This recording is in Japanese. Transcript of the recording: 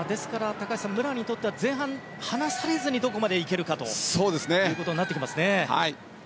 武良にとっては前半離されずにどこまでいけるかとなってきますね。